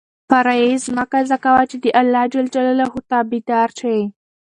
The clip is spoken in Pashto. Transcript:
فرایض مه قضا کوه چې د اللهﷻ تابع دار شې.